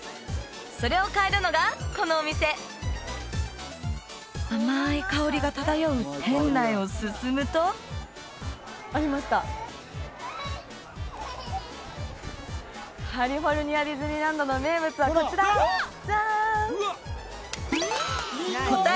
それを買えるのがこのお店甘い香りが漂う店内を進むとありましたカリフォルニアディズニーランドの名物はこちらジャーン！